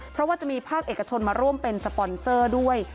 เพราะว่าจะมีภาคเอกชนมาร่วมเป็นสปอนเซอร์ด้วย